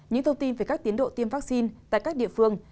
những thông tin về các tiến độ tiêm vaccine tại các địa phương